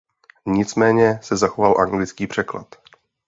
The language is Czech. Nicméně se zachoval anglický překlad.